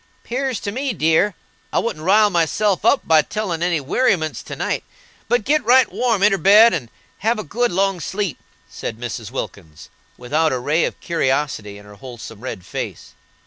"'Pears to me, dear, I wouldn't rile myself up by telling any werryments to night, but git right warm inter bed, and have a good long sleep," said Mrs. Wilkins, without a ray of curiosity in her wholesome red face.